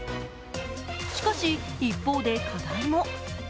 しかし、一方で課題も。